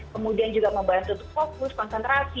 kemudian juga membantu untuk fokus konsentrasi